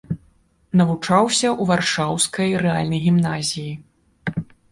Навучаўся ў варшаўскай рэальнай гімназіі.